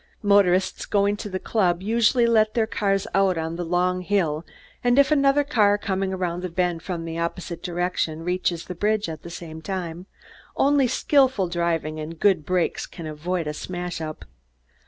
Motorists, going to the club, usually let their cars out on the long hill and if another car, coming around the bend from the opposite direction, reaches the bridge at the same time, only skilful driving and good brakes can avoid a smash up.